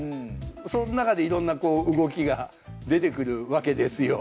そん中でいろんな動きが出てくるわけですよ。